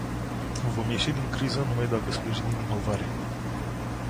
Vom ieși din criză numai dacă sprijinim inovarea.